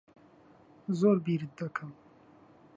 زۆر بیرت دەکەم.